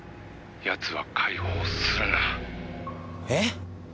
「奴は解放するな」えっ！？